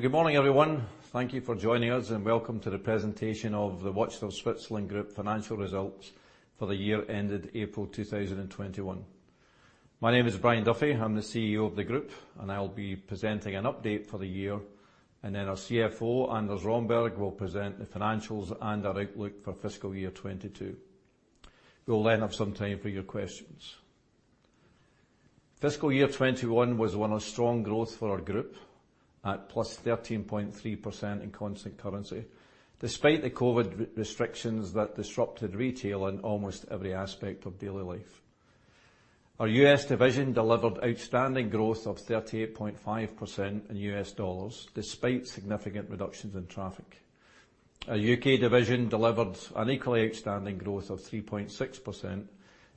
Good morning, everyone. Thank you for joining us, and welcome to the presentation of the Watches of Switzerland Group financial results for the year ended April 2021. My name is Brian Duffy. I am the CEO of the group, and I will be presenting an update for the year, and then our CFO, Anders Romberg, will present the financials and our outlook for fiscal year 2022. We will then have some time for your questions. fiscal year 2021 was one of strong growth for our group at +13.3% in constant currency, despite the COVID restrictions that disrupted retail and almost every aspect of daily life. Our U.S. division delivered outstanding growth of 38.5% in U.S. dollars despite significant reductions in traffic. Our U.K. division delivered an equally outstanding growth of 3.6%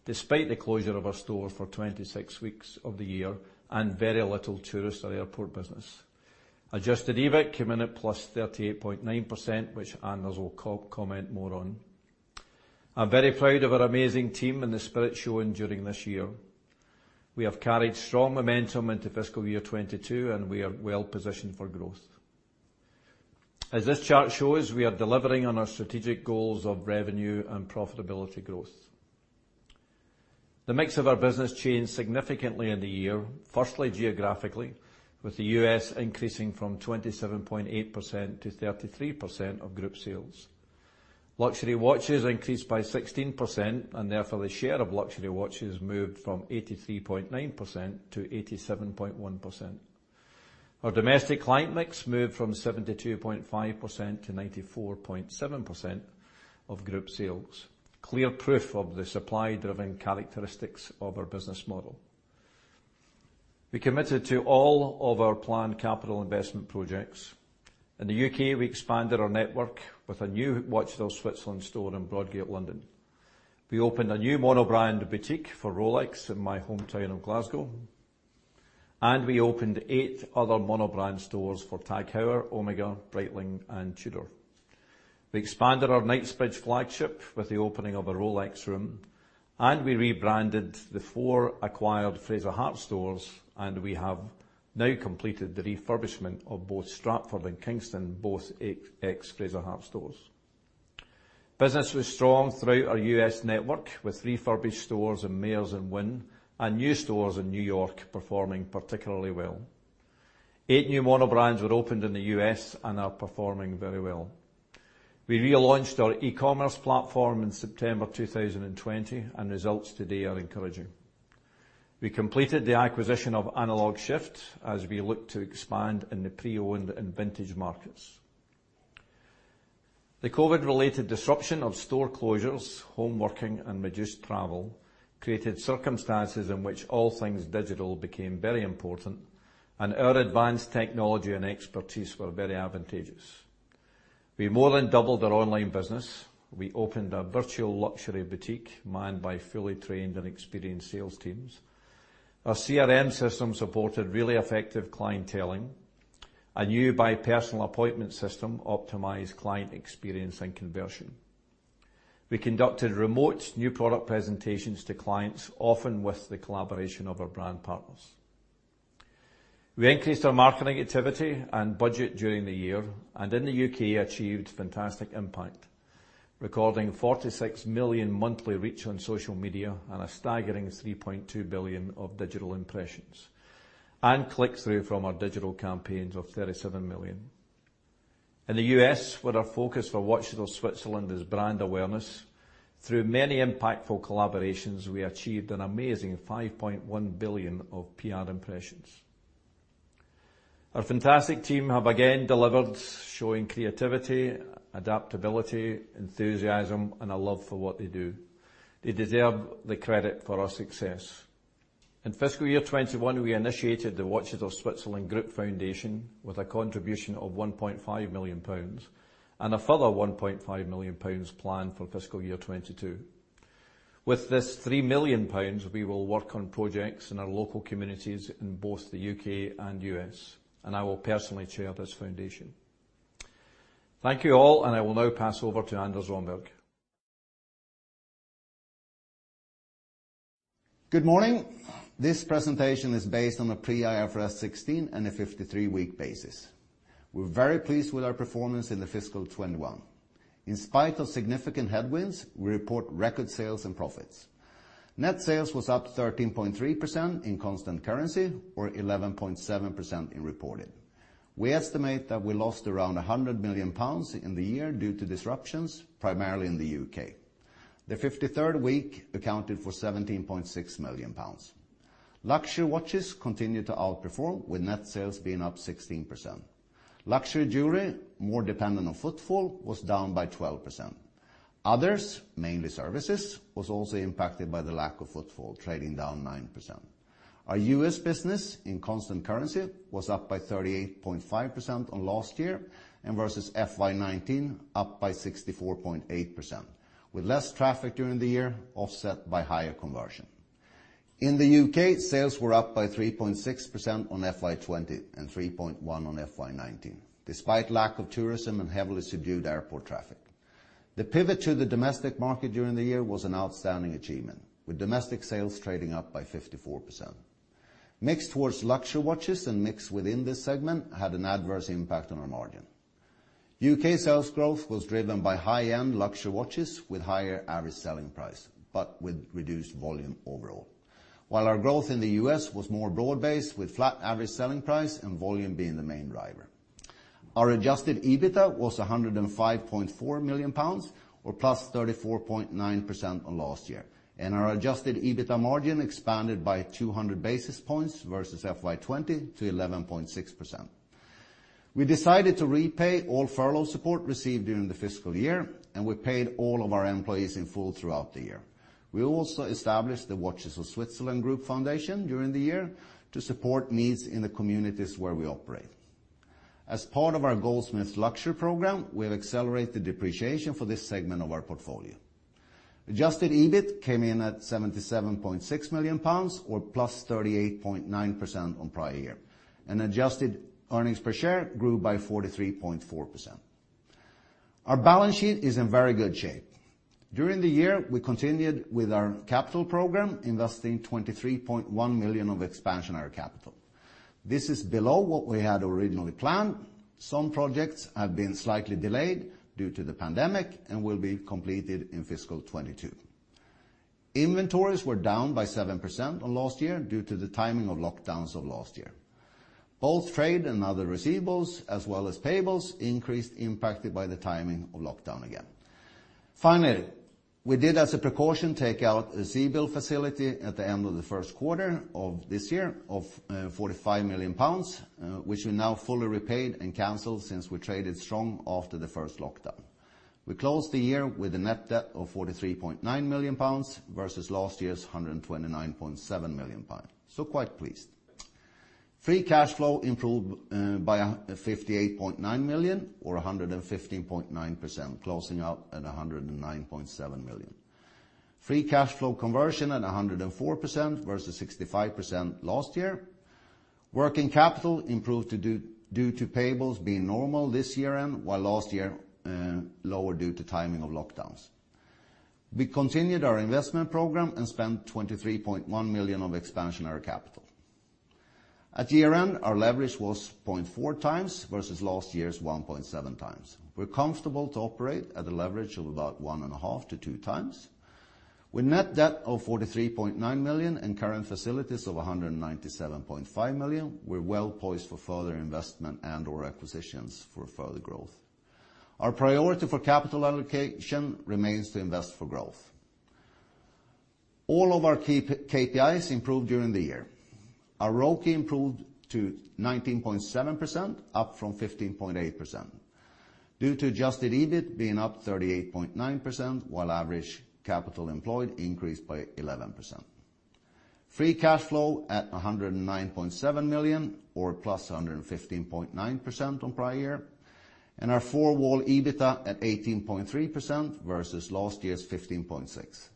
despite the closure of our stores for 26 weeks of the year and very little tourist or airport business. Adjusted EBIT came in at +38.9%. Anders will comment more on. I'm very proud of our amazing team and the spirit shown during this year. We have carried strong momentum into fiscal year 2022. We are well-positioned for growth. As this chart shows, we are delivering on our strategic goals of revenue and profitability growth. The mix of our business changed significantly in the year, firstly geographically, with the U.S. increasing from 27.8%-33% of group sales. Luxury watches increased by 16%. Therefore, the share of luxury watches moved from 83.9%-87.1%. Our domestic client mix moved from 72.5%-94.7% of group sales, clear proof of the supply-driven characteristics of our business model. We committed to all of our planned capital investment projects. In the U.K., we expanded our network with a new Watches of Switzerland store in Broadgate, London. We opened a new monobrand boutique for Rolex in my hometown of Glasgow. We opened eight other monobrand stores for TAG Heuer, Omega, Breitling, and Tudor. We expanded our Knightsbridge flagship with the opening of a Rolex room. We rebranded the four acquired Fraser Hart stores. We have now completed the refurbishment of both Stratford and Kingston, both ex-Fraser Hart stores. Business was strong throughout our U.S. network, with refurbished stores in Mayors and Wynn and new stores in New York performing particularly well. Eight new monobrands were opened in the U.S. and are performing very well. We relaunched our e-commerce platform in September 2020. Results to date are encouraging. We completed the acquisition of Analog Shift as we look to expand in the pre-owned and vintage markets. The COVID-related disruption of store closures, home working, and reduced travel created circumstances in which all things digital became very important and our advanced technology and expertise were very advantageous. We more than doubled our online business. We opened a virtual luxury boutique manned by fully trained and experienced sales teams. Our CRM system supported really effective clienteling. A new by personal appointment system optimized client experience and conversion. We conducted remote new product presentations to clients, often with the collaboration of our brand partners. We increased our marketing activity and budget during the year and in the U.K. achieved fantastic impact, recording 46 million monthly reach on social media and a staggering 3.2 billion of digital impressions and click-through from our digital campaigns of 37 million. In the U.S., where our focus for Watches of Switzerland is brand awareness, through many impactful collaborations we achieved an amazing 5.1 billion of PR impressions. Our fantastic team have again delivered, showing creativity, adaptability, enthusiasm, and a love for what they do. They deserve the credit for our success. In fiscal year 2021, we initiated the Watches of Switzerland Group Foundation with a contribution of 1.5 million pounds and a further 1.5 million pounds planned for fiscal year 2022. With this 3 million pounds, we will work on projects in our local communities in both the U.K. and U.S., and I will personally chair this foundation. Thank you all, and I will now pass over to Anders Romberg. Good morning. This presentation is based on a pre-IFRS 16 and a 53-week basis. We're very pleased with our performance in the fiscal 21. In spite of significant headwinds, we report record sales and profits. Net sales was up 13.3% in constant currency or 11.7% in reported. We estimate that we lost around 100 million pounds in the year due to disruptions, primarily in the U.K. The 53rd week accounted for 17.6 million pounds. Luxury watches continued to outperform with net sales being up 16%. Luxury jewelry, more dependent on footfall, was down by 12%. Others, mainly services, was also impacted by the lack of footfall, trading down 9%. Our U.S. business in constant currency was up by 38.5% on last year and versus FY 2019, up by 64.8%, with less traffic during the year offset by higher conversion. In the U.K., sales were up by 3.6% on FY 2020 and 3.1% on FY 2019 despite lack of tourism and heavily subdued airport traffic. The pivot to the domestic market during the year was an outstanding achievement, with domestic sales trading up by 54%. Mix towards luxury watches and mix within this segment had an adverse impact on our margin. U.K. sales growth was driven by high-end luxury watches with higher average selling price, but with reduced volume overall, while our growth in the U.S. was more broad-based with flat average selling price and volume being the main driver. Our adjusted EBITDA was 105.4 million pounds, or +34.9% on last year, and our adjusted EBITDA margin expanded by 200 basis points versus FY 2020 to 11.6%. We decided to repay all furlough support received during the fiscal year, and we paid all of our employees in full throughout the year. We also established the Watches of Switzerland Group Foundation during the year to support needs in the communities where we operate. As part of our Goldsmiths luxury program, we have accelerated depreciation for this segment of our portfolio. Adjusted EBIT came in at 77.6 million pounds, or plus 38.9% on prior year, and adjusted earnings per share grew by 43.4%. Our balance sheet is in very good shape. During the year, we continued with our capital program, investing 23.1 million of expansionary capital. This is below what we had originally planned. Some projects have been slightly delayed due to the pandemic and will be completed in fiscal 2022. Inventories were down by 7% on last year due to the timing of lockdowns of last year. Both trade and other receivables as well as payables increased impacted by the timing of lockdown again. We did, as a precaution, take out a CCFF facility at the end of the first quarter of this year of 45 million pounds, which we now fully repaid and canceled since we traded strong after the first lockdown. We closed the year with a net debt of 43.9 million pounds versus last year's 129.7 million pounds. Quite pleased. Free cash flow improved by 58.9 million or 115.9%, closing out at 109.7 million. Free cash flow conversion at 104% versus 65% last year. Working capital improved due to payables being normal this year-end, while last year lower due to timing of lockdowns. We continued our investment program and spent 23.1 million of expansionary capital. At year-end, our leverage was 0.4 times versus last year's 1.7 times. We're comfortable to operate at a leverage of about one and a half to two times. With net debt of 43.9 million and current facilities of 197.5 million, we're well poised for further investment and/or acquisitions for further growth. Our priority for capital allocation remains to invest for growth. All of our KPIs improved during the year. Our ROCE improved to 19.7%, up from 15.8%, due to adjusted EBIT being 38.9%, while average capital employed increased by 11%. Free cash flow at 109.7 million or +115.9% on prior year. Our four-wall EBITDA at 18.3% versus last year's 15.6%.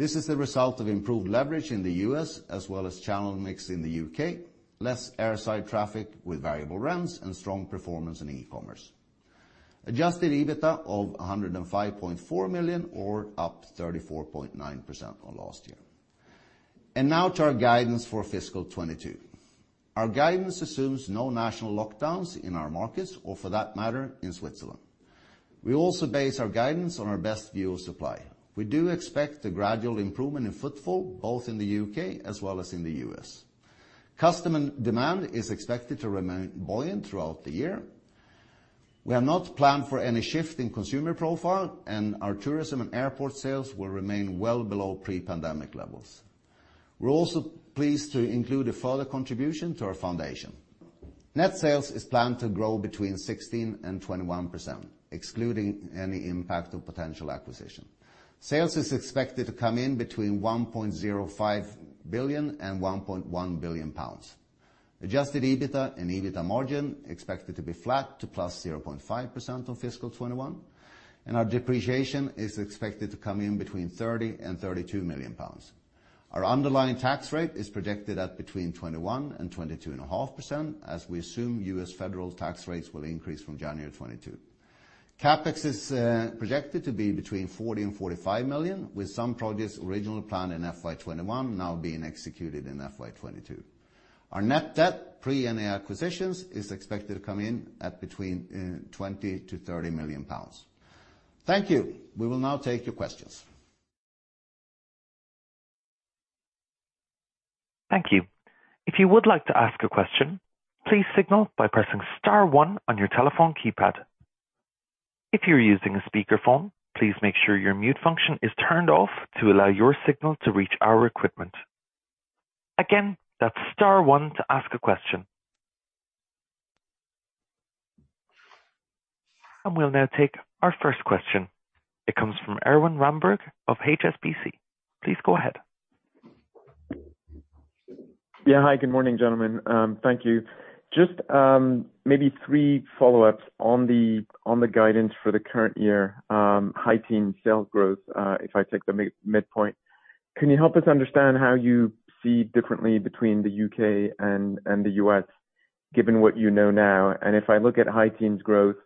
This is the result of improved leverage in the U.S. as well as channel mix in the U.K., less airside traffic with variable rents and strong performance in e-commerce. Adjusted EBITDA of 105.4 million or up 34.9% on last year. Now to our guidance for fiscal year 2022. Our guidance assumes no national lockdowns in our markets or for that matter, in Switzerland. We also base our guidance on our best view of supply. We do expect a gradual improvement in footfall both in the U.K. as well as in the U.S. Customer demand is expected to remain buoyant throughout the year. We have not planned for any shift in consumer profile, and our tourism and airport sales will remain well below pre-pandemic levels. We're also pleased to include a further contribution to our foundation. Net sales is planned to grow between 16% and 21%, excluding any impact of potential acquisition. Sales is expected to come in between 1.05 billion and 1.1 billion pounds. Adjusted EBITDA and EBITA margin expected to be flat to +0.5% on fiscal 2021, and our depreciation is expected to come in between 30 million and 32 million pounds. Our underlying tax rate is projected at between 21% and 22.5%, as we assume U.S. federal tax rates will increase from January 2022. CapEx is projected to be between 40 million and 45 million, with some projects originally planned in fiscal year 2021 now being executed in fiscal year 2022. Our net debt, pre any acquisitions, is expected to come in at between 20 million and 30 million pounds. Thank you. We will now take your questions. Thank you. If you would like to ask a question, please signal by pressing star one on your telephone keypad. If you're using a speakerphone, please make sure your mute function is turned off to allow your signal to reach our equipment. Again, that's star one to ask a question. We'll now take our first question. It comes from Erwan Rambourg of HSBC. Please go ahead. Hi, good morning, gentlemen. Thank you. Maybe three follow-ups on the guidance for the current year high teen sales growth, if I take the midpoint. Can you help us understand how you see differently between the U.K. and the U.S.? Given what you know now, and if I look at high teens' growth,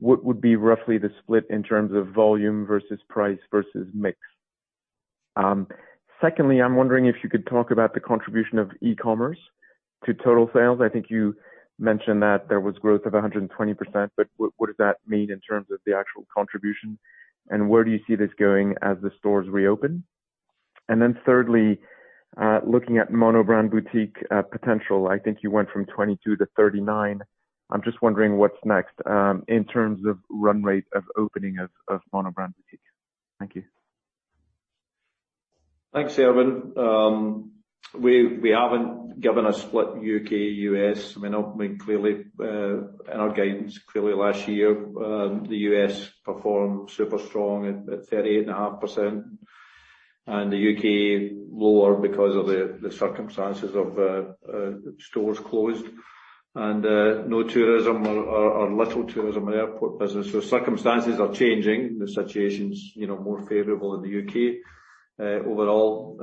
what would be roughly the split in terms of volume versus price versus mix? Secondly, I am wondering if you could talk about the contribution of e-commerce to total sales. I think you mentioned that there was growth of 120%, but what does that mean in terms of the actual contribution, and where do you see this going as the stores reopen? Then thirdly, looking at monobrand boutique potential, I think you went from 22 to 39. I am just wondering what is next in terms of run rate of opening of monobrand boutiques. Thank you. Thanks, Erwan. We haven't given a split U.K., U.S. Clearly, in our guidance clearly last year, the U.S. performed super strong at 38.5%, and the U.K. lower because of the circumstances of stores closed and no tourism or little tourism in airport business. Circumstances are changing. The situation's more favorable in the U.K. overall.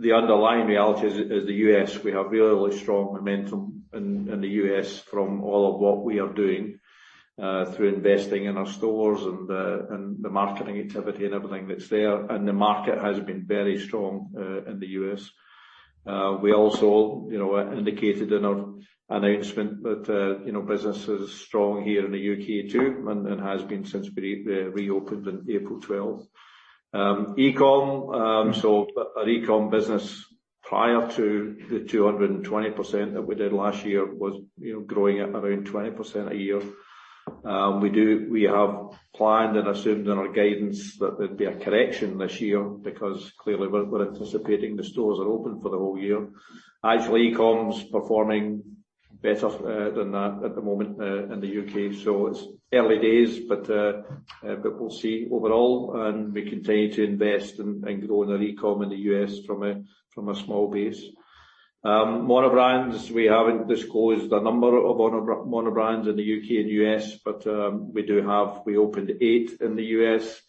The underlying reality is the U.S. We have really strong momentum in the U.S. from all of what we are doing through investing in our stores and the marketing activity and everything that's there. The market has been very strong in the U.S. We also indicated in our announcement that business is strong here in the U.K. too and has been since we reopened on April 12th. E-com, our e-com business prior to the 220% that we did last year was growing at around 20% a year. We have planned and assumed in our guidance that there'd be a correction this year because clearly we're anticipating the stores are open for the whole year. Actually, e-com's performing better than that at the moment in the U.K. It's early days, but we'll see overall, and we continue to invest and grow our e-com in the U.S. from a small base. Monobrands, we haven't disclosed the number of monobrands in the U.K. and U.S., but we opened eight in the U.S.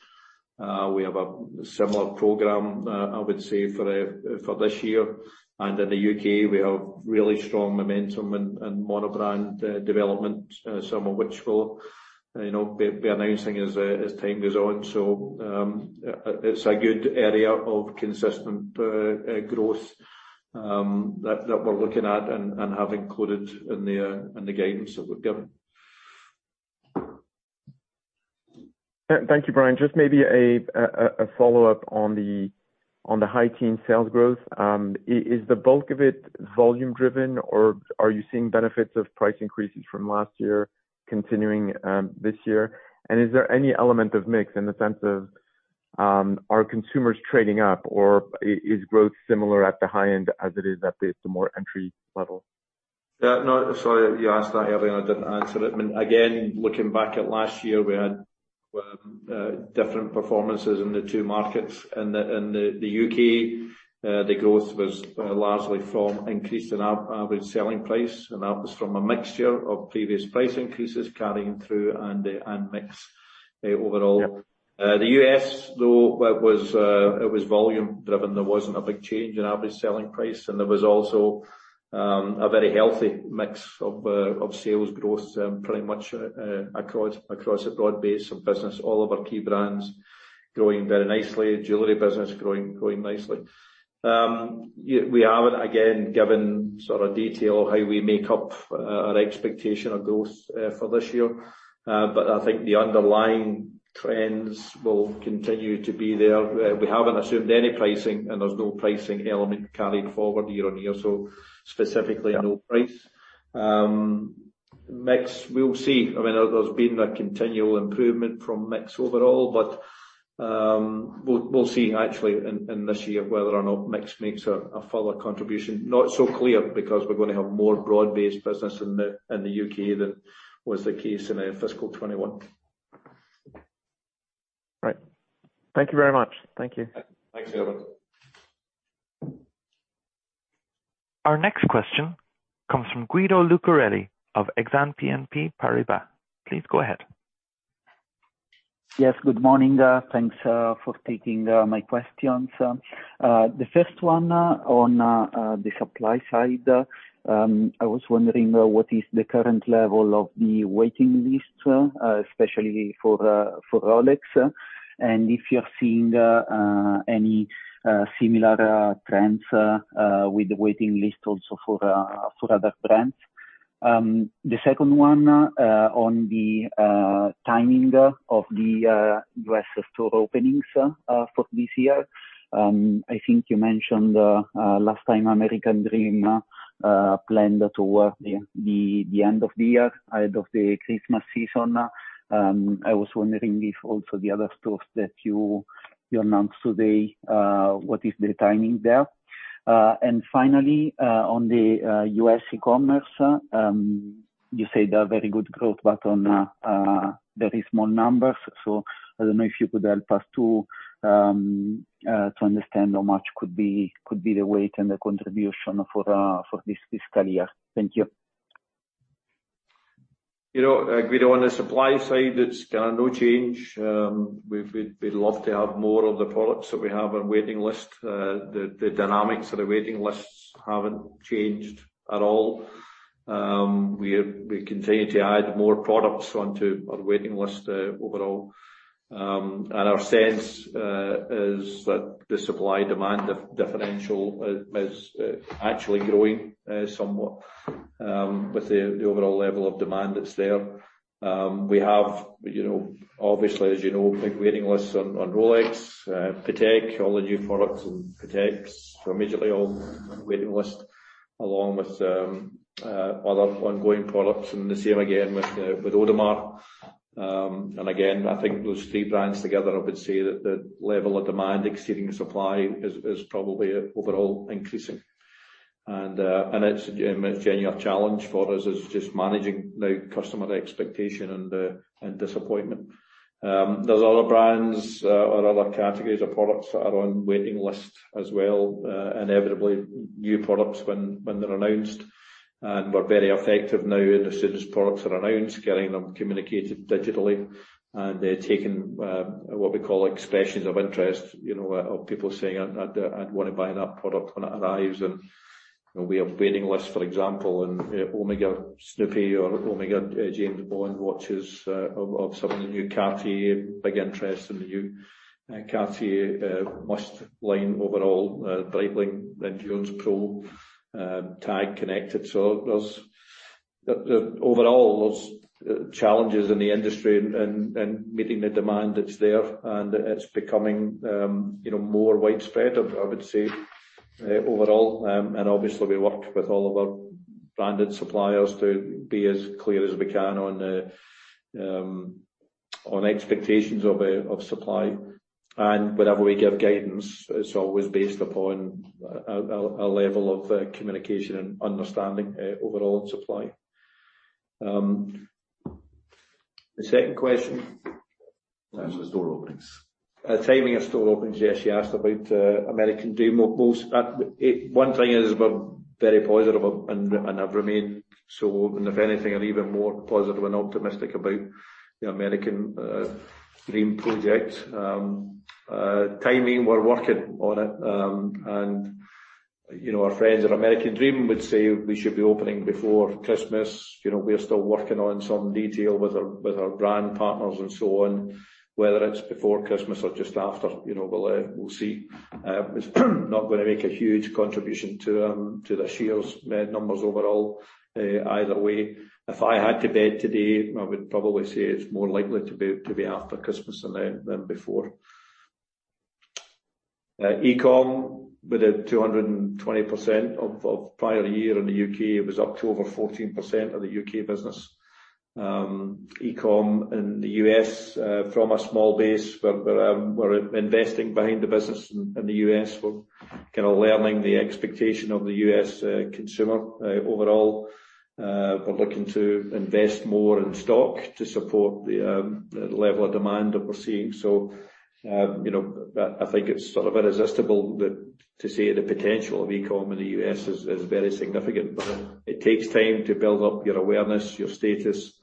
We have a similar program, I would say, for this year. In the U.K., we have really strong momentum in monobrand development, some of which we'll be announcing as time goes on. It's a good area of consistent growth that we're looking at and have included in the guidance that we've given. Thank you, Brian. Just maybe a follow-up on the high teen sales growth. Is the bulk of it volume driven, or are you seeing benefits of price increases from last year continuing this year? Is there any element of mix in the sense of are consumers trading up or is growth similar at the high end as it is at the more entry-level? Yeah. No, sorry. You asked that earlier, and I didn't answer it. Looking back at last year, we had different performances in the two markets. In the U.K., the growth was largely from increase in average selling price, and that was from a mixture of previous price increases carrying through and mix overall. The U.S., though, it was volume driven. There wasn't a big change in average selling price, and there was also a very healthy mix of sales growth pretty much across a broad base of business. All of our key brands growing very nicely. Jewelry business growing nicely. We haven't, again, given sort of detail how we make up our expectation of growth for this year. I think the underlying trends will continue to be there. We haven't assumed any pricing, and there's no pricing element carried forward year on year, so specifically no price. Mix, we'll see. I mean, there's been a continual improvement from mix overall. We'll see actually in this year whether or not mix makes a further contribution. Not so clear because we're going to have more broad-based business in the U.K. than was the case in fiscal 2021. Right. Thank you very much. Thank you. Thanks, Erwan. Our next question comes from Guido Lucarelli of Exane BNP Paribas. Please go ahead. Yes, good morning. Thanks for taking my questions. The first one on the supply side. I was wondering what is the current level of the waiting list, especially for Rolex. If you have seen any similar trends with the waiting list also for other brands. The second one on the timing of the U.S. store openings for this year. I think you mentioned last time American Dream planned toward the end of the year, ahead of the Christmas season. I was wondering if also the other stores that you announced today, what is the timing there? Finally, on the U.S. e-commerce, you said a very good growth but on very small numbers. I don't know if you could help us to understand how much could be the weight and the contribution for this fiscal year. Thank you. On the supply side, it's no change. We'd love to have more of the products that we have on waiting list. The dynamics of the waiting lists haven't changed at all. We continue to add more products onto our waiting list overall. Our sense is that the supply-demand differential is actually growing somewhat with the overall level of demand that's there. We have, obviously, as you know, big waiting lists on Rolex, Patek, all the new products from Pateks are immediately on waiting lists, along with other ongoing products, and the same again with Audemars. Again, I think those three brands together, I would say that the level of demand exceeding supply is probably overall increasing. It's a genuine challenge for us is just managing now customer expectation and disappointment. There's other brands or other categories of products that are on waiting lists as well, inevitably new products when they're announced. We're very effective now as soon as products are announced, getting them communicated digitally and taking what we call expressions of interest, of people saying, "I'd want to buy that product when it arrives." We have waiting lists, for example, in Omega Snoopy or Omega James Bond watches of some of the new Cartier, big interest in the new Cartier Must line overall, Breitling Endurance Pro, TAG Heuer Connected. Overall, there's challenges in the industry in meeting the demand that's there, and it's becoming more widespread, I would say overall. Obviously, we work with all of our branded suppliers to be as clear as we can on expectations of supply. Whenever we give guidance, it's always based upon a level of communication and understanding overall on supply. The second question? Is the store openings? Timing of store openings. Yes, you asked about American Dream. One thing is we're very positive and have remained so, if anything, I'm even more positive and optimistic about the American Dream project. Timing, we're working on it. Our friends at American Dream would say we should be opening before Christmas. We're still working on some detail with our brand partners and so on. Whether it's before Christmas or just after, we'll see. It's not going to make a huge contribution to this year's numbers overall either way. If I had to bet today, I would probably say it's more likely to be after Christmas than before. E-com, we did 220% of prior year in the U.K. It was up to over 14% of the U.K. business. E-com in the U.S., from a small base, we're investing behind the business in the U.S. We're learning the expectation of the U.S. consumer overall. We're looking to invest more in stock to support the level of demand that we're seeing. I think it's sort of irresistible to say the potential of e-com in the U.S. is very significant. It takes time to build up your awareness, your status,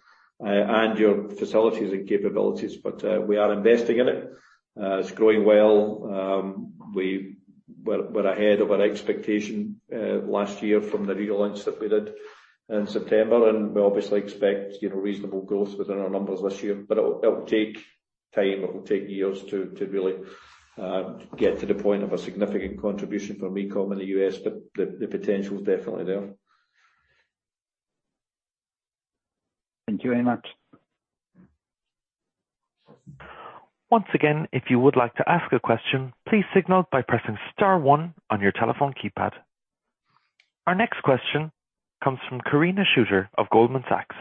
and your facilities and capabilities, but we are investing in it. It's growing well. We're ahead of our expectation last year from the relaunch that we did in September, we obviously expect reasonable growth within our numbers this year. It'll take time, it will take years to really get to the point of a significant contribution from e-com in the U.S. The potential is definitely there. Thank you very much. Our next question comes from Carina Schuster of Goldman Sachs.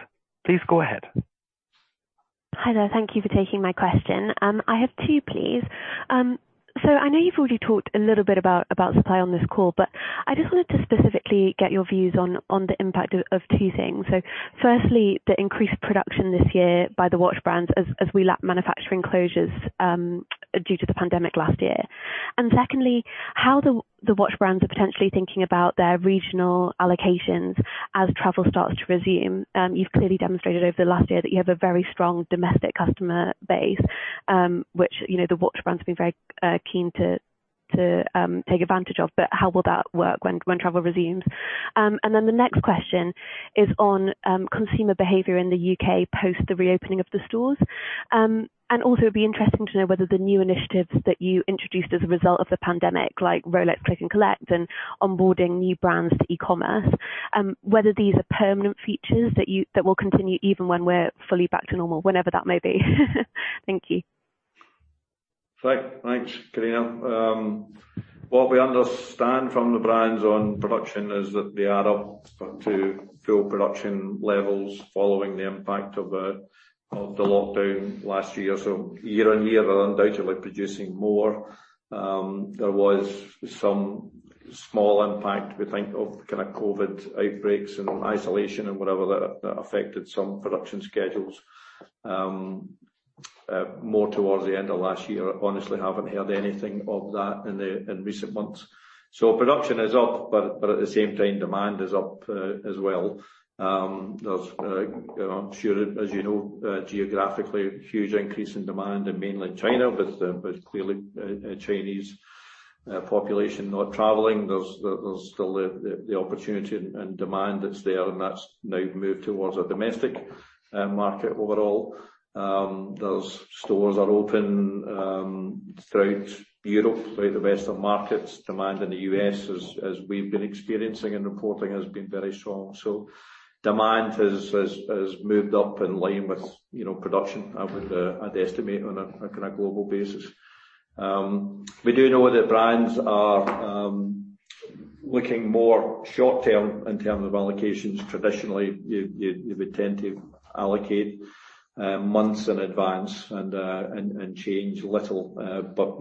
Please go ahead. Hi there. Thank you for taking my question. I have two, please. I know you've already talked a little bit about supply on this call, but I just wanted to specifically get your views on the impact of two things. Firstly, the increased production this year by the watch brands as we lap manufacturing closures due to the pandemic last year. Secondly, how the watch brands are potentially thinking about their regional allocations as travel starts to resume. You've clearly demonstrated over the last year that you have a very strong domestic customer base, which the watch brands will be very keen to take advantage of. How will that work when travel resumes? The next question is on consumer behavior in the U.K. post the reopening of the stores. Also, it'd be interesting to know whether the new initiatives that you introduced as a result of the pandemic, like Rolex Click & Collect and onboarding new brands to e-commerce, whether these are permanent features that will continue even when we're fully back to normal, whenever that may be. Thank you. Thanks, Carina. What we understand from the brands on production is that they are up to full production levels following the impact of the lockdown last year. Year-on-year, they're undoubtedly producing more. There was some small impact, we think, of kind of COVID outbreaks and isolation and whatever that affected some production schedules more towards the end of last year. I honestly haven't heard anything of that in recent months. Production is up, but at the same time, demand is up as well. As you know, geographically, huge increase in demand in mainland China with clearly Chinese population not traveling. There's still the opportunity and demand that's there, and that's now moved towards a domestic market overall. Those stores are open throughout Europe, throughout the rest of markets. Demand in the U.S., as we've been experiencing and reporting, has been very strong. Demand has moved up in line with production, I'd estimate, on a global basis. We do know that brands are looking more short-term in terms of allocations. Traditionally, they tend to allocate months in advance and change little.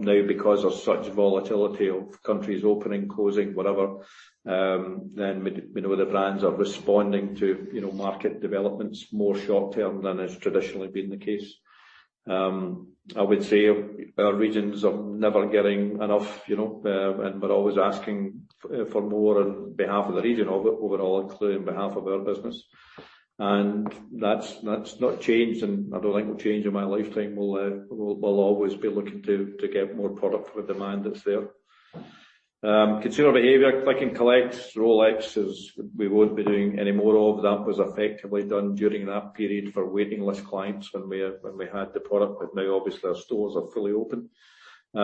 Now, because of such volatility of countries opening, closing, whatever, we know the brands are responding to market developments more short term than has traditionally been the case. I would say our regions are never getting enough, and we're always asking for more on behalf of the region overall, including on behalf of our business. That's not changed, and I don't think it'll change in my lifetime. We'll always be looking to get more product for the demand that's there. Consumer behavior, Click & Collect, Rolexes, we won't be doing any more of. That was effectively done during that period for waiting list clients when we had the product, but now obviously our stores are fully open. There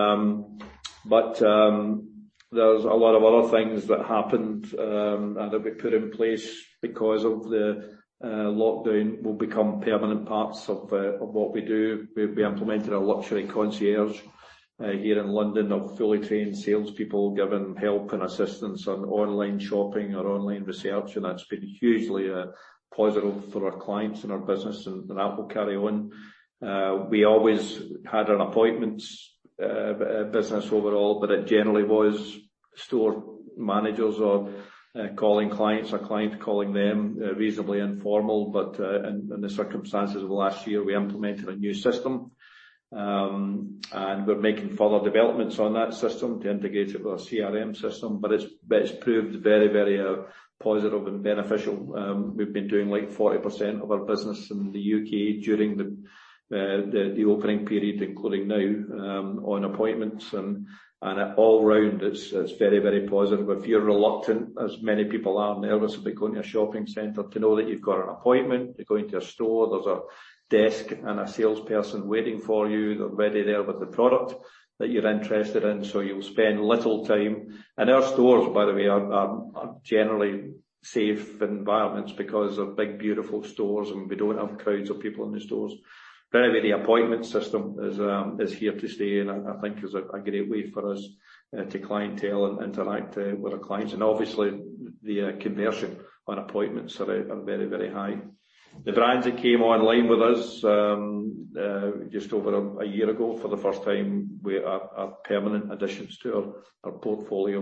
was a lot of other things that happened and that we put in place because of the lockdown will become permanent parts of what we do. We implemented a luxury concierge here in London of fully trained salespeople giving help and assistance on online shopping or online research, and that's been hugely positive for our clients and our business, and that will carry on. We always had an appointments business overall, but it generally was store managers calling clients or client calling them, reasonably informal. In the circumstances of last year, we implemented a new system. We're making further developments on that system to integrate it with our CRM system, but it's proved very positive and beneficial. We've been doing 40% of our business in the U.K. during the opening period, including now, on appointments, all round it's very positive. If you're reluctant, as many people are nervous about going to a shopping center, to know that you've got an appointment, you're going to a store, there's a desk and a salesperson waiting for you. They're ready there with the product that you're interested in, you'll spend little time. Our stores, by the way, are generally safe environments because they're big, beautiful stores, and we don't have crowds of people in the stores. Very appointment system is here to stay, I think is a great way for us to clientele and interact with our clients. Obviously, the conversion on appointments are very high. The brands that came online with us just over a year ago for the first time were permanent additions to our portfolio.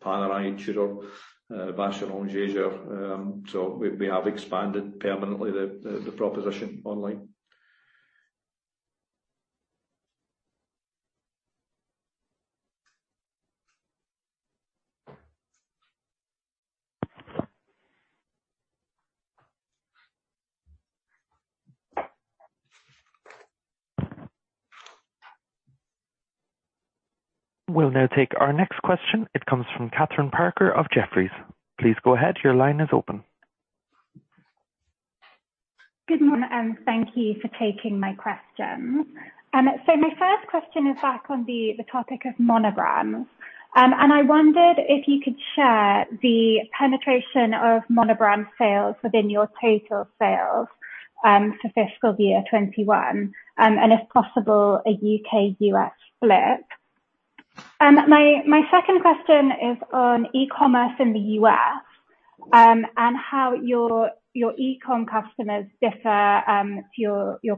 Panerai, Tudor, Vacheron Constantin. We have expanded permanently the proposition online. We'll now take our next question. It comes from Kathryn Parker of Jefferies. Please go ahead. Your line is open. Good morning. Thank you for taking my questions. My first question is back on the topic of monobrand. I wondered if you could share the penetration of monobrand sales within your total sales for fiscal year 2021, and if possible, a U.K./U.S. split. My second question is on e-commerce in the U.S. and how your e-com customers differ your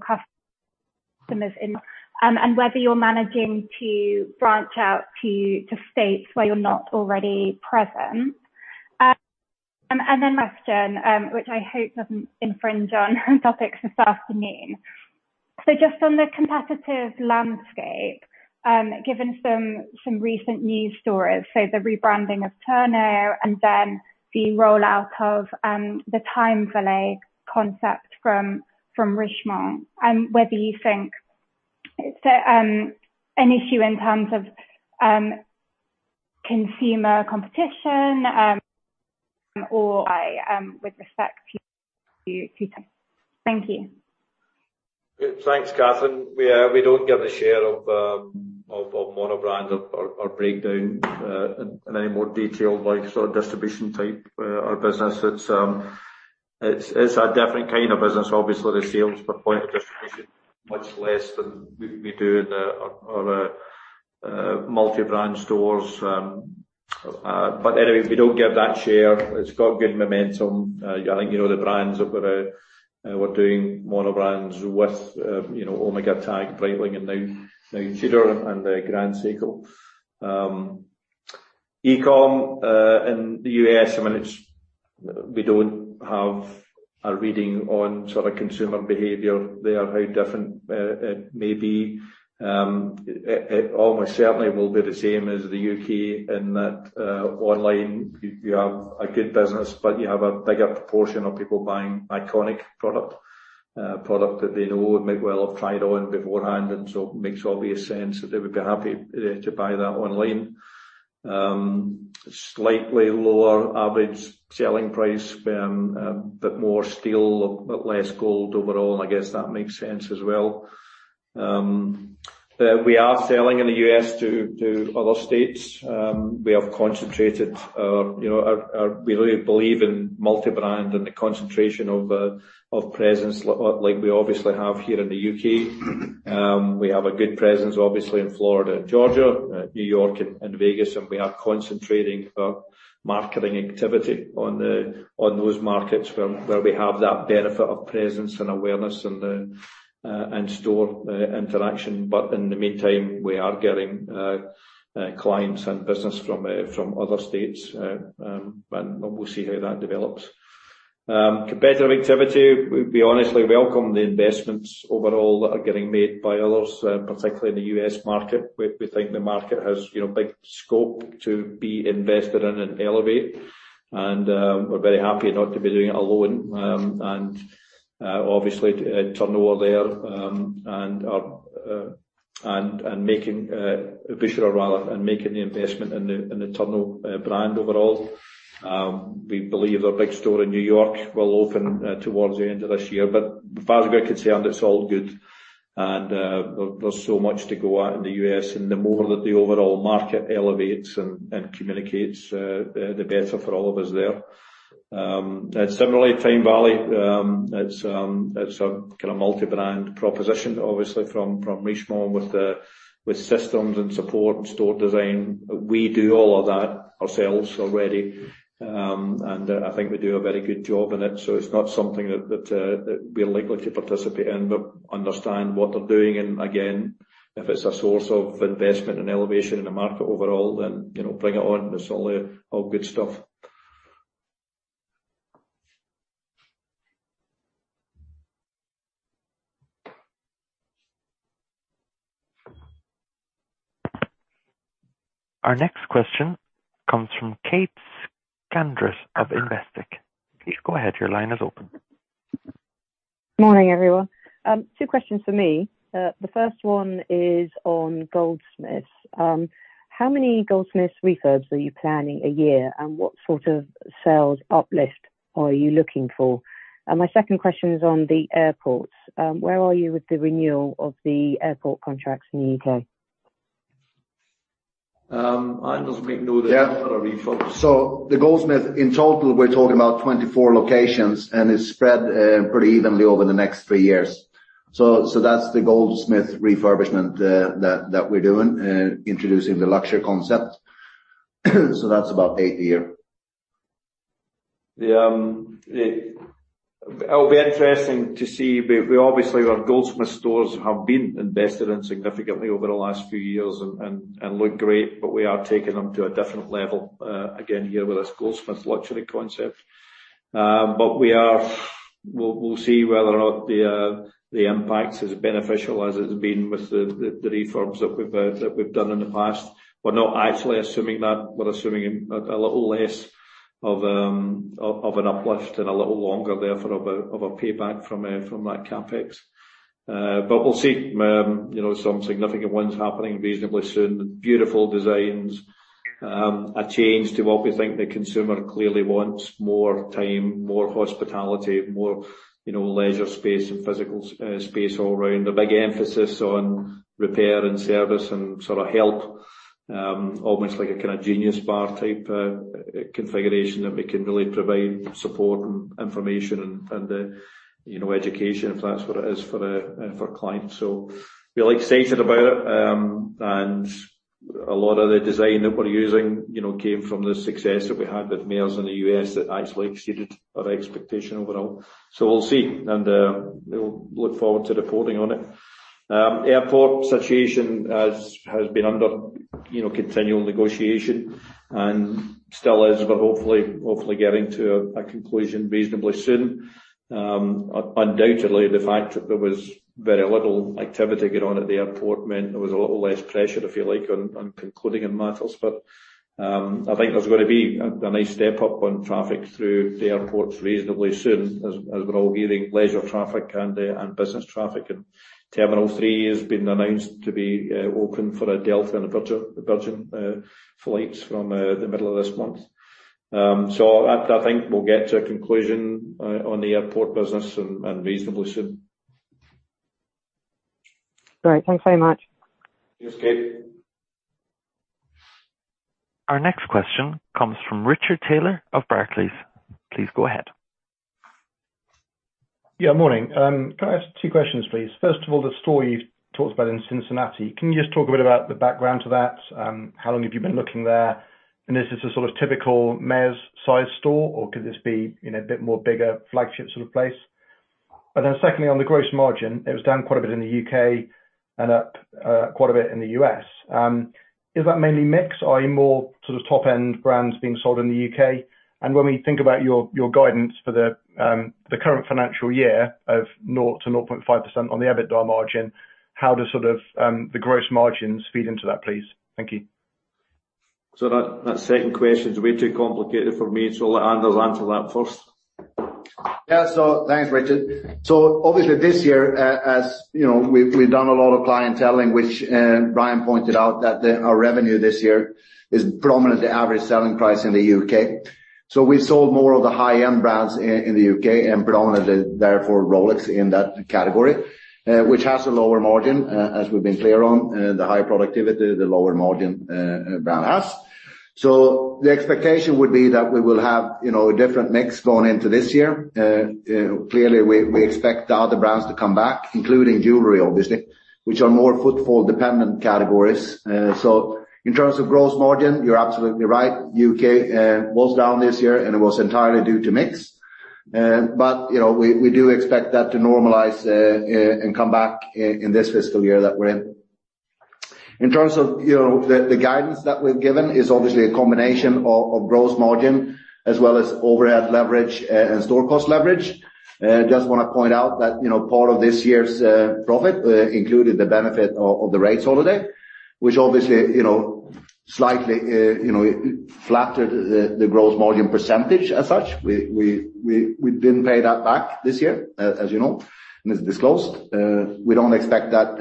customers and whether you're managing to branch out to states where you're not already present. A question which I hope doesn't infringe on topics this afternoon. Just on the competitors landscape, given some recent news stories, the rebranding of Tourneau and then the rollout of the TimeVallée concept from Richemont, and whether you think it's an issue in terms of consumer competition or with respect to you. Thank you. Thanks, Kathryn. We don't give a share of our monobrand or breakdown in any more detail like distribution type business. It's a different kind of business. Obviously, the sales per point distribution is much less than we do in our multi-brand stores. Anyway, we don't give that share. It's got good momentum. I think you know the brands that we're doing monobrand with Omega, TAG Heuer, and now Tudor and the Grand Seiko. E-com in the U.S., we don't have a reading on consumer behavior there, how different it may be. It almost certainly will be the same as the U.K. in that online you have a good business, but you have a bigger proportion of people buying iconic product, a product that they know and might well have tried on beforehand, and so it makes obvious sense that they would be happy to buy that online. Slightly lower average selling price, a bit more steel, a bit less gold overall, and I guess that makes sense as well. We are selling in the U.S. to other states. We believe in multi-brand and the concentration of presence like we obviously have here in the U.K. We have a good presence, obviously, in Florida and Georgia, New York, and Vegas, and we are concentrating our marketing activity on those markets where we have that benefit of presence and awareness and store interaction. In the meantime, we are getting clients and business from other states, and we'll see how that develops. Competitive activity, we honestly welcome the investments overall that are getting made by others, particularly in the U.S. market. We think the market has big scope to be invested in and elevate. We're very happy not to be doing it alone and obviously to internal there and making the investment in the internal brand overall. We believe our big store in New York will open towards the end of this year. As far as we're concerned, it's all good. There's so much to go at in the U.S. The more that the overall market elevates and communicates, the better for all of us there. Similarly, TimeVallée, it's a kind of multi-brand proposition, obviously, from Richemont with systems and support store design. We do all of that ourselves already. I think we do a very good job in it. It's not something that we are likely to participate in, but understand what they're doing. Again, if it's a source of investment and elevation in the market overall, then bring it on. It's all good stuff. Our next question comes from Kate Calvert of Investec. Morning, everyone. Two questions for me. The first one is on Goldsmiths. How many Goldsmiths refurbs are you planning a year, and what sort of sales uplift are you looking for? My second question is on the airports. Where are you with the renewal of the airport contracts in the U.K.? I must make note of that refurb. The Goldsmiths, in total, we're talking about 24 locations, and it's spread pretty evenly over the next three years. That's the Goldsmiths refurbishment that we're doing, introducing the luxury concept. That's about eight a year. It'll be interesting to see, obviously our Goldsmiths stores have been invested in significantly over the last few years and look great, we are taking them to a different level again here with this Goldsmiths luxury concept. We'll see whether the impact is as beneficial as it's been with the refurbs that we've done in the past. We're not actually assuming that. We're assuming a little less of an uplift and a little longer therefore of a payback from that CapEx. We'll see some significant ones happening reasonably soon. Beautiful designs. A change to what we think the consumer clearly wants, more time, more hospitality, more leisure space and physical space all around. A big emphasis on repair and service and sort of help, almost like a kind of Genius Bar type configuration that we can really provide support and information and education, if that's what it is, for clients. Really excited about it, and a lot of the design that we're using came from the success that we had with Mayors in the U.S. that actually exceeded our expectation overall. We'll see, and we'll look forward to reporting on it. Airport situation has been under continual negotiation and still is, but hopefully getting to a conclusion reasonably soon. Undoubtedly, the fact that there was very little activity going on at the airport meant there was a lot less pressure, if you like, on concluding on matters. I think there's going to be a nice step up on traffic through the airports reasonably soon as we're all hearing leisure traffic and business traffic. Terminal three has been announced to be open for Delta and Virgin flights from the middle of this month. I think we'll get to a conclusion on the airport business and reasonably soon. Great. Thanks very much. Cheers, Kate. Our next question comes from Richard Taylor of Barclays. Please go ahead. Morning. Can I ask two questions, please? First of all, the store you talked about in Cincinnati, can you just talk a bit about the background to that? How long have you been looking there? Is this a sort of typical Mayors side store, or could this be a bit more bigger flagship sort of place? Secondly, on the gross margin, it was down quite a bit in the U.K. and up quite a bit in the U.S. Is that mainly mix? Are more top-end brands being sold in the U.K.? When we think about your guidance for the current financial year of 0%-0.5% on the EBITDA margin, how does the gross margins feed into that, please? Thank you. That second question is a bit too complicated for me, so I'll let Anders answer that first. Thanks, Richard. Obviously this year, as you know, we've done a lot of clienteling, which Brian pointed out that our revenue this year is predominantly the average selling price in the U.K. We sold more of the high-end brands in the U.K. and predominantly therefore Rolex in that category, which has a lower margin, as we've been clear on, the higher productivity, the lower margin brand has. The expectation would be that we will have a different mix going into this year. Clearly, we expect the other brands to come back, including jewelry, obviously, which are more footfall-dependent categories. In terms of gross margin, you're absolutely right. U.K. was down this year and it was entirely due to mix. We do expect that to normalize and come back in this fiscal year that we're in. In terms of the guidance that we've given is obviously a combination of gross margin as well as overhead leverage and store cost leverage. Just want to point out that part of this year's profit included the benefit of the rates holiday, which obviously slightly flattered the gross margin percentage as such. We didn't pay that back this year, as you know, and as disclosed. We don't expect that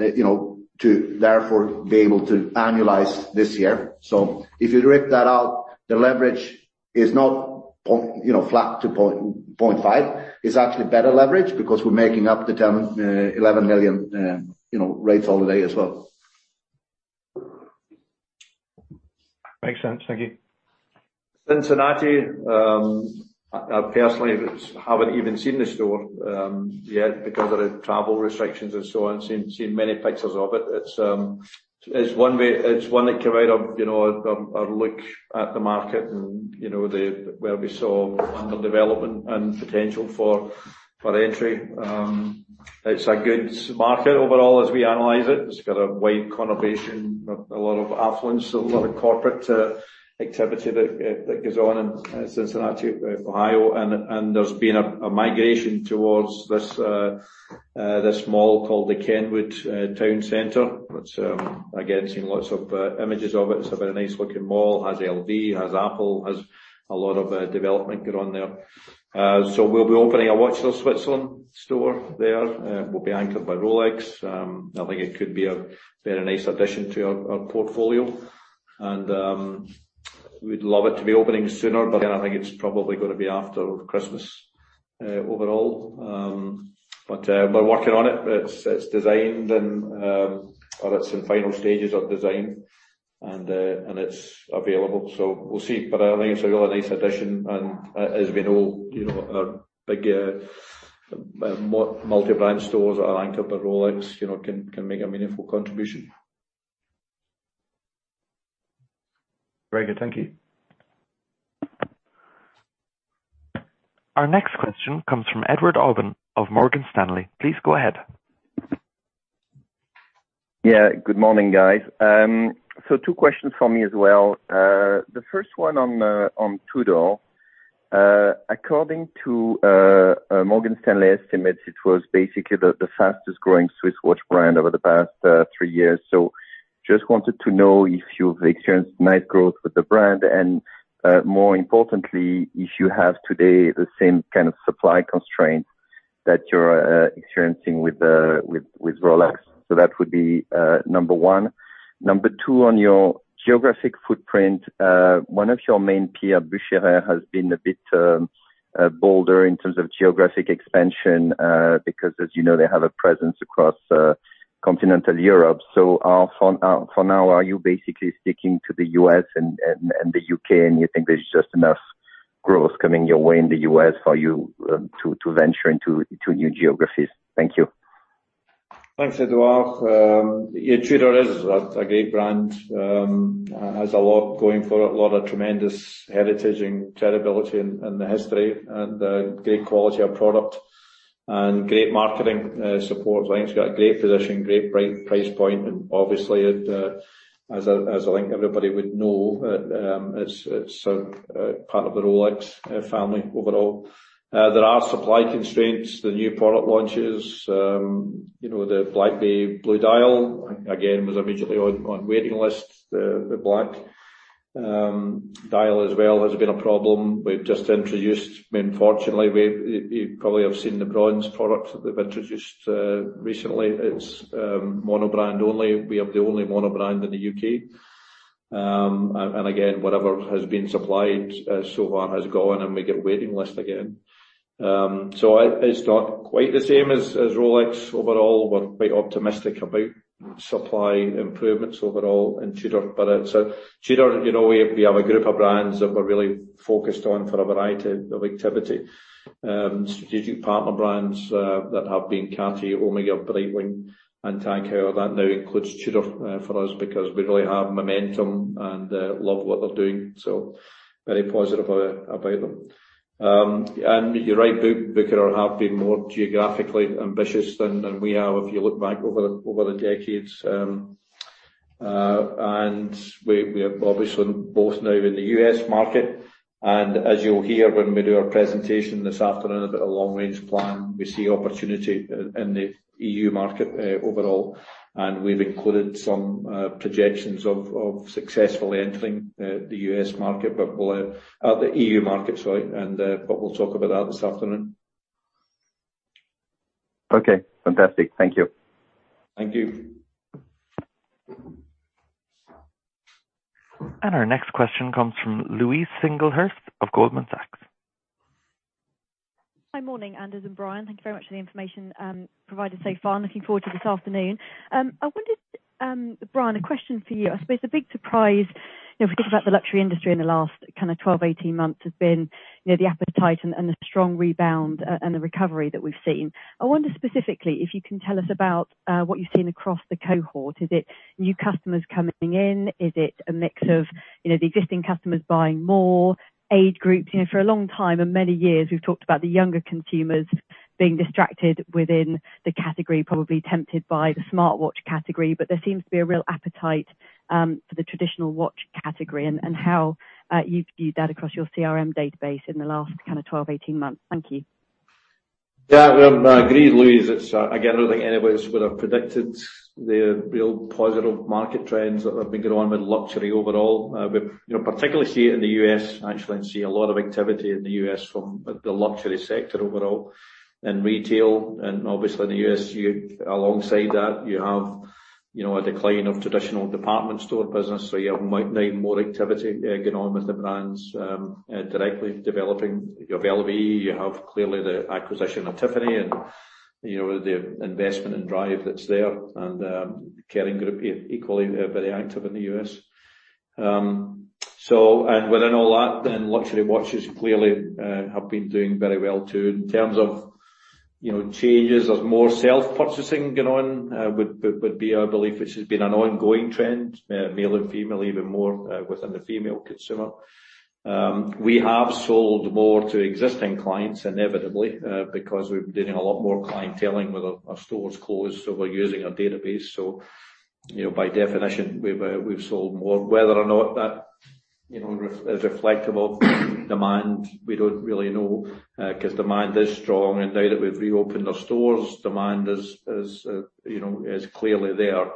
to therefore be able to annualize this year. If you drip that out, the leverage is not flat to 0.5. It's actually better leverage because we're making up the 11 million rates holiday as well. Makes sense. Thank you. Cincinnati, I personally haven't even seen the store yet because of the travel restrictions and so on. I have seen many pictures of it. It's one that came out of a look at the market and where we saw underdevelopment and potential for entry. It's a good market overall as we analyze it. It's got a wide conurbation, a lot of affluence, a lot of corporate activity that goes on in Cincinnati, Ohio. There's been a migration towards this mall called the Kenwood Towne Centre, which again, I have seen lots of images of it. It's a very nice looking mall, has LV, has Apple, has a lot of development going on there. We'll be opening a Watches of Switzerland store there. It will be anchored by Rolex. I think it could be a very nice addition to our portfolio. We'd love it to be opening sooner, but I think it's probably going to be after Christmas overall. We're working on it. It's designed and it's in final stages of design and it's available. We'll see. A nice addition. As we know, our big multi-brand stores are anchored by Rolex, can make a meaningful contribution. Very good. Thank you. Our next question comes from Edouard Aubin of Morgan Stanley. Please go ahead. Good morning, guys. Two questions for me as well. The first one on Tudor. According to a Morgan Stanley estimate, it was basically the fastest growing Swiss watch brand over the past three years. Just wanted to know if you've experienced net growth with the brand and more importantly, if you have today the same kind of supply constraints that you're experiencing with Rolex. That would be number one. Number two, on your geographic footprint, one of your main peer, Bucherer, has been a bit bolder in terms of geographic expansion because as you know, they have a presence across continental Europe. For now, are you basically sticking to the U.S. and the U.K., and you think there's just enough growth coming your way in the U.S. for you to venture into new geographies? Thank you. Thanks, Edouard. Yeah, Tudor is a great brand. Has a lot going for it, a lot of tremendous heritage and credibility and the history and great quality of product and great marketing support behind it. Great position, great price point. Obviously, as I think everybody would know, it's a part of the Rolex family overall. There are supply constraints. The new product launches, the Black Bay Blue dial, again, was immediately on waiting list. The black dial as well has been a problem. We've just introduced, unfortunately, you probably have seen the bronze product that we've introduced recently. It's monobrand only. We are the only monobrand in the U.K. Again, whatever has been supplied so far has gone, and we get a waiting list again. It's not quite the same as Rolex overall. We're quite optimistic about supply improvements overall in Tudor, but Tudor, we have a group of brands that we're really focused on for a variety of activity. Strategic partner brands that have been Cartier, Omega, Breitling and TAG Heuer. That now includes Tudor for us because we really have momentum and love what they're doing. Very positive about them. You're right, Bucherer have been more geographically ambitious than we have if you look back over the decades. We are obviously both now in the U.S. market. As you'll hear when we do our presentation this afternoon about the long-range plan, we see opportunity in the EU market overall, and we've included some projections of successfully entering the EU market, but we'll talk about that this afternoon. Okay, fantastic. Thank you. Thank you. Our next question comes from Louise Singlehurst of Goldman Sachs. Good morning, Anders and Brian. Thank you very much for the information provided so far. Looking forward to this afternoon. I wonder, Brian, a question for you. I suppose the big surprise, if we talk about the luxury industry in the last 12, 18 months, has been the appetite and the strong rebound and the recovery that we've seen. I wonder specifically if you can tell us about what you've seen across the cohort. Is it new customers coming in? Is it a mix of the existing customers buying more? Age group here, for a long time and many years, we've talked about the younger consumers being distracted within the category, probably tempted by the smartwatch category, but there seems to be a real appetite for the traditional watch category and how you view that across your CRM database in the last 12, 18 months. Thank you. Agreed, Louise. I don't think anybody would have predicted the real positive market trends that have been going on with luxury overall. We particularly see it in the U.S., actually, and see a lot of activity in the U.S. from the luxury sector overall in retail. Obviously, the U.S., alongside that, you have a decline of traditional department store business, so you have way more activity going on with the brands directly developing. You have LVMH, you have clearly the acquisition of Tiffany and the investment and drive that's there, Kering Group equally very active in the U.S. Within all that, luxury watches clearly have been doing very well, too. In terms of changes of more self-purchasing going on would be our belief, which has been an ongoing trend, male and female, even more within the female consumer. We have sold more to existing clients, inevitably, because we've been doing a lot more clienteling with our stores closed, so we're using our database. By definition, we've sold more. Whether or not that is reflective of demand, we don't really know, because demand is strong. Now that we've reopened our stores, demand is clearly there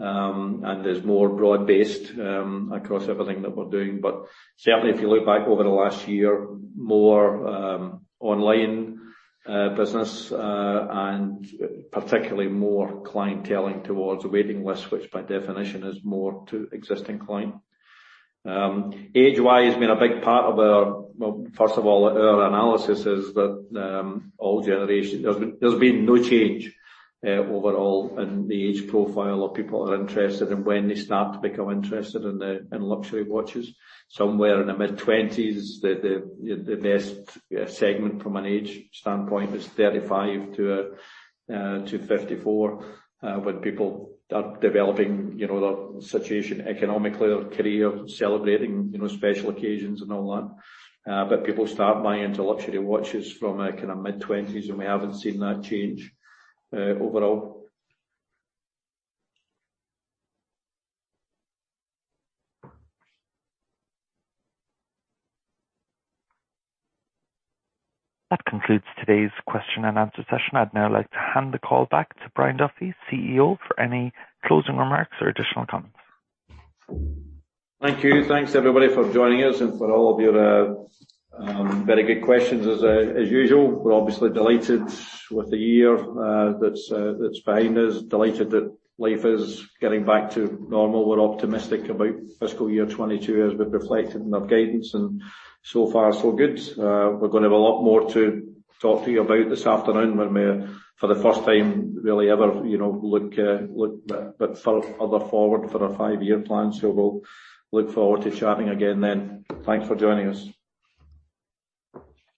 and is more broad-based across everything that we're doing. Certainly, if you look back over the last year, more online business and particularly more clienteling towards the waiting list, which by definition is more to existing clients. Age-wise, well, first of all, our analysis is that all generations, there's been no change overall in the age profile of people that are interested and when they start to become interested in luxury watches. Somewhere in the mid-20s, the best segment from an age standpoint is 35 to 54, when people are developing their situation economically or career, celebrating special occasions, and all that. People start buying into luxury watches from their mid-20s, and we haven't seen that change overall. That concludes today's question and answer session. I'd now like to hand the call back to Brian Duffy, CEO, for any closing remarks or additional comments. Thank you. Thanks everybody for joining us and for all of your very good questions as usual. We're obviously delighted with the year that's behind us, delighted that life is getting back to normal. We're optimistic about fiscal year 2022 as we've reflected in our guidance. So far so good. We're going to have a lot more to talk to you about this afternoon when we, for the first time really ever, look a bit further forward for our five-year plan. We'll look forward to chatting again then. Thanks for joining us.